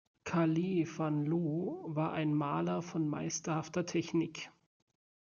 Carle van Loo war ein Maler von meisterhafter Technik.